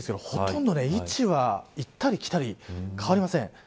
ほとんど位置は行ったり来たり、変わりません。